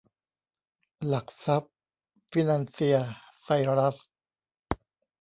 หลักทรัพย์ ฟินันเซีย ไซรัส